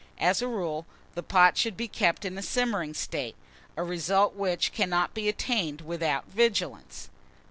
As a rule, the pot should be kept in a simmering state; a result which cannot be attained without vigilance.